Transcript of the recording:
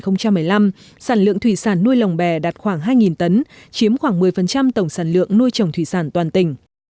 năm hai nghìn một mươi năm sản lượng thủy sản nuôi lồng bè đạt khoảng hai tấn chiếm khoảng một mươi tổng sản lượng nuôi trồng thủy sản toàn tỉnh